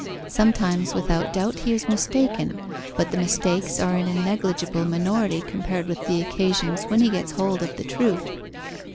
Sometimes, without doubt, he is mistaken, but the mistakes are in a negligible minority compared with the occasions when he gets hold of the truth.